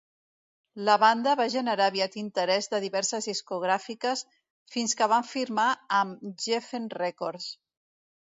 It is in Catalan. La banda va generar aviat interès de diverses discogràfiques fins que van firmar amb Geffen Records.